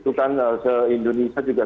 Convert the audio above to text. itu kan se indonesia juga